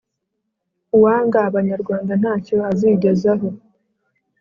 Uwanga Abanyarwanda ntacyo azigezaho